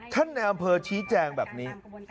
ในอำเภอชี้แจงแบบนี้